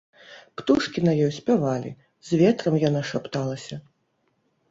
Птушкі на ёй спявалі, з ветрам яна шапталася.